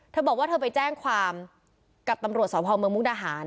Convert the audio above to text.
เธอบอกว่าเธอไปแจ้งความกับตำรวจสพเมืองมุกดาหาร